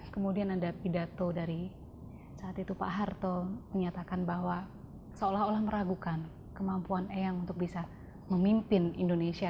kemudian ada pidato dari saat itu pak harto menyatakan bahwa seolah olah meragukan kemampuan eyang untuk bisa memimpin indonesia